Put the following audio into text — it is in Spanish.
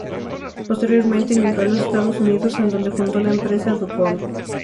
Posteriormente migró a los Estados Unidos, en donde fundó la empresa DuPont.